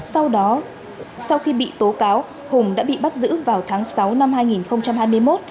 sau đó sau khi bị tố cáo hùng đã bị bắt giữ vào tháng sáu năm hai nghìn hai mươi một